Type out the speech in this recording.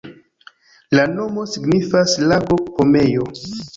La nomo signifas lago-pomejo.